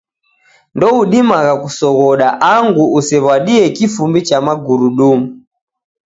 Ndoudimagha kusoghoda andu usew'adie kifumbi cha magurudumu.